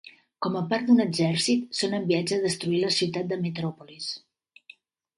Com a part d'un exèrcit, són enviats a destruir la ciutat de Metropolis.